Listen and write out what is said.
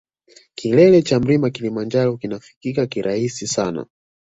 Kilele cha mlima kilimanjaro kinafikika kirahisi sana